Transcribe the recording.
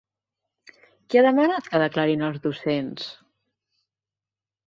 Qui ha demanat que declarin els docents?